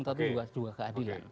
tapi juga keadilan